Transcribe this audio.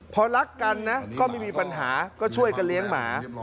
พอรักกันนะก็ไม่มีปัญหาก็ช่วยกันเลี้ยงหมา